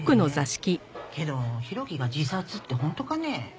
けど浩喜が自殺って本当かね？